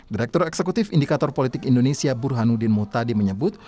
direktur eksekutif indikator politik indonesia burhanuddin muhtadi menyebut